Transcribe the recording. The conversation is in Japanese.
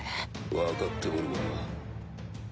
分かっておるわ。